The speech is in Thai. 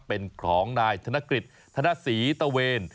เป็นของนายธนกฤษธนศรีตะเวน